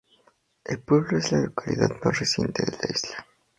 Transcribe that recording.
El pueblo es la localidad más reciente de la isla.